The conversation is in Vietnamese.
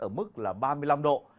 ở mức là ba mươi năm độ